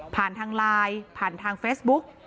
ทางไลน์ผ่านทางเฟซบุ๊ก